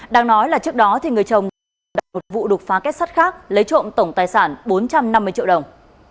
đang nói là trước đó thì người chồng đã đặt vụ đục phá kết sát khác lấy trộm tổng tài sản bốn trăm năm mươi triệu đồng